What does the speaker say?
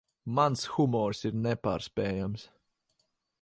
Mans humors ir nepārspējams.